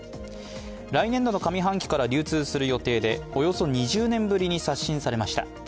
来年度の上半期から流通する予定で、およそ２０年ぶりに刷新されました。